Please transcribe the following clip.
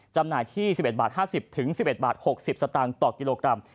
จำหน่ายที่๑๑บาท๕๐๑๑บาท๖๐สตางค์ต่อกิโลกรัม